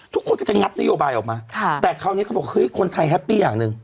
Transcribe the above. ทุกคนก็จะงัดนโยบายออกมาแต่คราวนี้เขาบอกเฮ้ยคนไทยแฮปปี้อย่างหนึ่ง